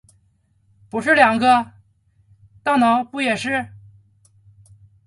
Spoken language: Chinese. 不是两个？大脑不也是？